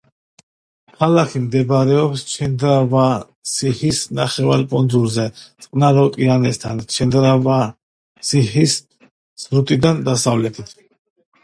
ქალაქი მდებარეობს ჩენდრავასიჰის ნახევარკუნძულზე წყნარ ოკეანესთან, ჩენდრავასიჰის სრუტიდან დასავლეთით.